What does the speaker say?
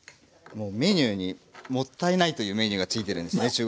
メニューに「もったいない」というメニューがついてるんですね